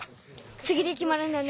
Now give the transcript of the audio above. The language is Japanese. つぎできまるんだね。